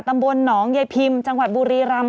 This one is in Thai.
ตำบลหนองยายพิมจังหวัดบุรีรำ